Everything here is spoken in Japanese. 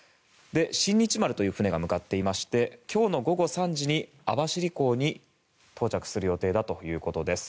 「新日丸」という船が向かっていまして今日の午後３時に網走港に到着する予定だということです。